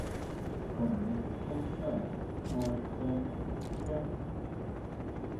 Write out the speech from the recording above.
Kuá nga xchá sá maa ichá yá.